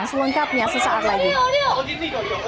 keluarga berkata orang orang di jajarian takut